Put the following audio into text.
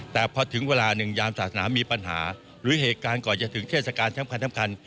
แต่พอถึงเวลาหนึ่งยามศาสนามีปัญหาหรือเหตุการณ์ก่อนจะถึงเทศกาลสำคัญ